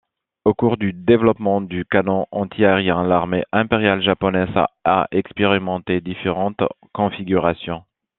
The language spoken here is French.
Au cours du développement du canon antiaérien, l'Armée impériale japonaise a expérimenté différentes configurations.